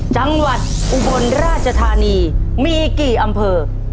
จังหวัดอุบลราชธานีมีกี่อำเภอ